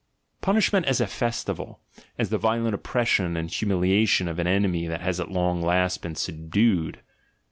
— Punishment as a festival, as the violent oppres sion and humiliation of an enemy that has at last been subdued.